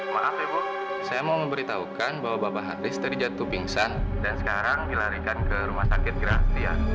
maaf ibu saya mau memberitahukan bahwa bapak haris terjatuh pingsan dan sekarang dilarikan ke rumah sakit keras dia